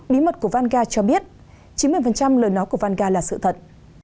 bí mật của vanga cho biết chín mươi lời nói của vanga là sự thật